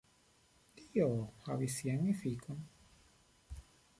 Tio havis sian efikon.